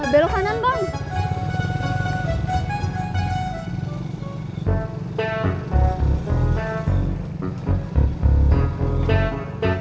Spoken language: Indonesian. belok kanan bang